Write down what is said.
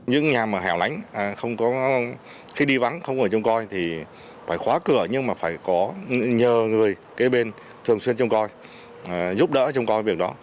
những nhà mà hẻo lánh không có khi đi vắng không ở trông coi thì phải khóa cửa nhưng mà phải có nhờ người kế bên thường xuyên trông coi giúp đỡ trong coi việc đó